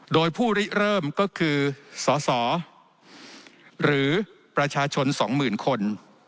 โดยผู้ริเริ่มก็คือสสหรือประชาชน๒๐๐๐คน